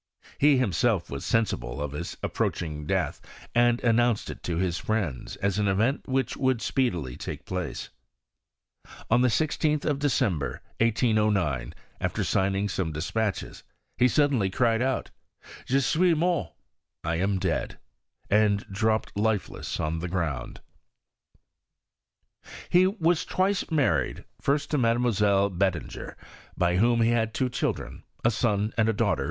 He himself was sensible of his approaching death, and announced it to his friends as an event which would speedily take place. On the IGth of December, I6Q9, after sign ing vonue despatdies, he suddenly cried out, Je » m BISTORT OF CHEXin RT. ntfi wurt (I am dead), and dropped lifeless ground. He was twice married : G»C to Mademoiselle Betlinger, by whom he had tiro children, a son and a daugliter.